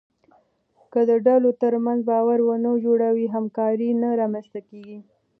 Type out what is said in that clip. که د ډلو ترمنځ باور ونه جوړوې، همکاري نه رامنځته کېږي.